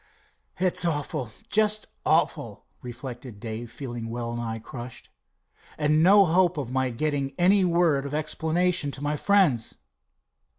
"It's awful, just awful," reflected Dave, feeling well nigh crushed, "and no hope of my getting any word of explanation to my friends."